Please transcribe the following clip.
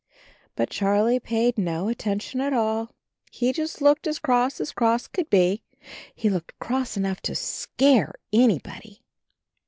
But Charlie paid no attention at all. He just looked as cross as cross could be — ^he looked cross enough to scare anybody.